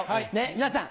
皆さん。